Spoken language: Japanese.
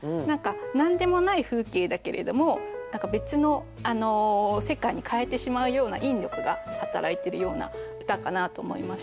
何でもない風景だけれども別の世界に変えてしまうような引力が働いてるような歌かなと思いました。